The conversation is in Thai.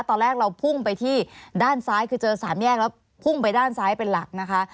ตอนแรกเราพุ่งไปที่ด้านซ้ายคือเจอสามแยกแล้วพุ่งไปด้านซ้ายเป็นหลักนะคะ